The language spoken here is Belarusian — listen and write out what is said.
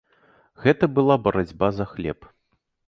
Гэта была барацьба за хлеб.